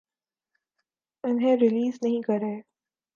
انہیں ریلیز نہیں کر رہے۔